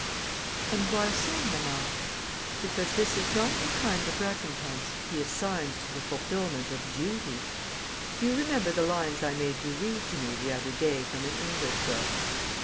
"And why so, mamma?" "Because this is not the kind of recompense he assigns to the fulfilment of duty. Do you remember the lines I made you read to me the other day from an English book?